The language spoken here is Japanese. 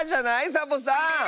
サボさん。